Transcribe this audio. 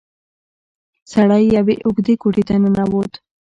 سړی يوې اوږدې کوټې ته ننوت.